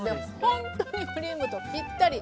ほんとにクリームとぴったり！